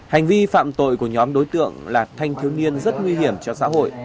hành vi phạm tội của nhóm đối tượng là thanh thiếu niên rất nguy hiểm cho xã hội